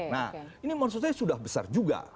nah ini maksud saya sudah besar juga